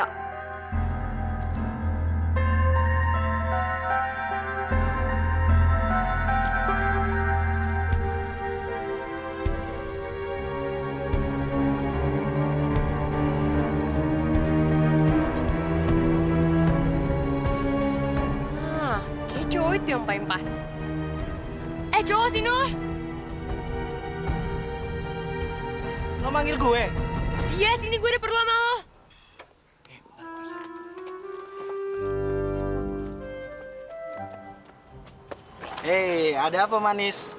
kejauh itu yang paling pas